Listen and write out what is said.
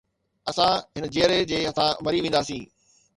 اسان هن جيئري جي هٿان مري وينداسين